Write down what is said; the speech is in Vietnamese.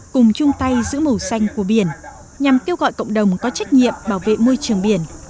cùng chung tay giữ màu xanh của biển nhằm kêu gọi cộng đồng có trách nhiệm bảo vệ môi trường biển